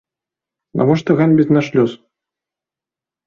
Навошта ганьбіць наш лёс?